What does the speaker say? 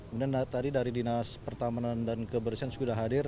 kemudian tadi dari dinas pertamanan dan kebersihan sudah hadir